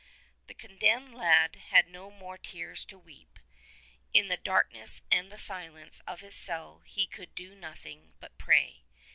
The condemned lad had no more tears to weep. In the darkness and the silence of his cell he could do nothing but pray.